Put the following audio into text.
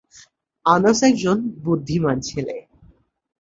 আনাস একজন বুদ্ধিমান ছেলে।